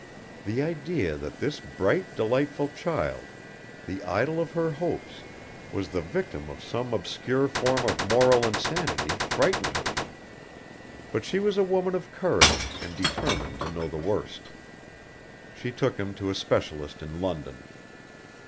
The idea that this bright, delightful child, the idol of her hopes, was the victim of some obscure form of moral insanity frightened her. But she was a woman of courage and determined to know the worst. She took him to a specialist in London.